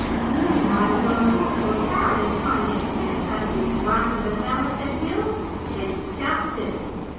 'A man might as well talk to a carrot as try an' get sense out of this runt of a feller,' said Bill, disgusted.